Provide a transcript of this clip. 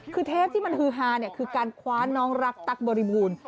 คือเทปที่มันฮือฮาเนี่ยคือการคว้าน้องรักตั๊กบริบูรณ์